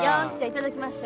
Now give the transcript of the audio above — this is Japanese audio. いただきます。